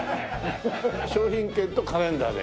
商品券とカレンダーで。